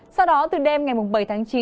sau đó từ đêm ngày bảy tháng chín